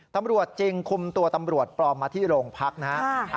ตำรวจจึงคุมตัวตำรวจปลอมมาที่โรงพักนะฮะ